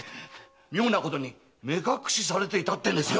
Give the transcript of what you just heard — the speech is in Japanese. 妙なことに目隠しされていたってんですよ。